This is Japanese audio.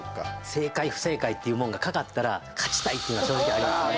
正解、不正解というもんがかかったら勝ちたい！っていうのは正直ありますね。